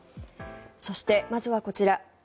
そして、まずはこちら。